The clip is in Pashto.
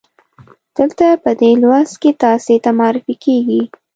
دلته په دې لوست کې تاسې ته معرفي کیږي.